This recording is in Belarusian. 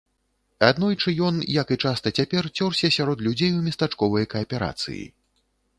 Аднойчы ён, як і часта цяпер, цёрся сярод людзей у местачковай кааперацыі.